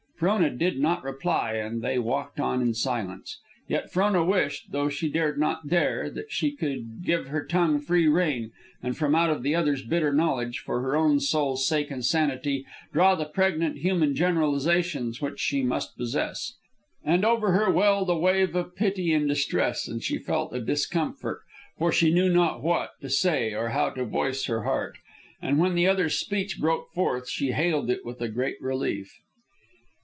Frona did not reply, and they walked on in silence. Yet Frona wished, though she dared not dare, that she could give her tongue free rein, and from out of the other's bitter knowledge, for her own soul's sake and sanity, draw the pregnant human generalizations which she must possess. And over her welled a wave of pity and distress; and she felt a discomfort, for she knew not what to say or how to voice her heart. And when the other's speech broke forth, she hailed it with a great relief.